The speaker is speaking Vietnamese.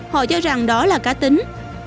họ cho rằng đó là cá tính